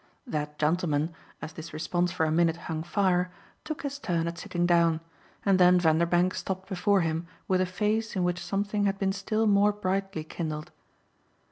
That gentleman, as this response for a minute hung fire, took his turn at sitting down, and then Vanderbank stopped before him with a face in which something had been still more brightly kindled.